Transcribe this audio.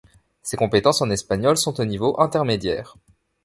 Ses compétences en espagnol sont au niveau intermédiaire.